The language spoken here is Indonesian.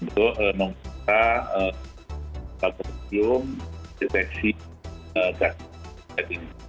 untuk menggunakan laboratorium deteksi cacar monyet ini